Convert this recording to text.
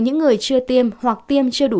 những người chưa tiêm hoặc tiêm chưa đủ